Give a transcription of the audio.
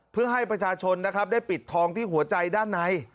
เพื่อให้ประชาชนนะครับได้ปิดทองที่หัวใจด้านใน